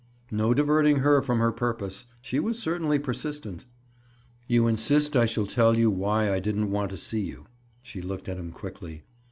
No diverting her from her purpose! She was certainly persistent. "You insist I shall tell you why I didn't want to see you?" She looked at him quickly.